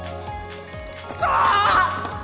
クソ！